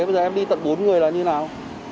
bây giờ em đi tận bốn người là như thế nào